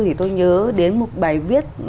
thì tôi nhớ đến một bài viết